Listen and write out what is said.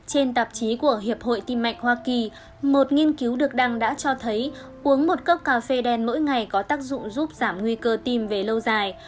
trên tạp chí của hiệp hội tim mạch hoa kỳ một nghiên cứu được đăng đã cho thấy uống một cốc cà phê đen mỗi ngày có tác dụng giúp giảm nguy cơ tim về lâu dài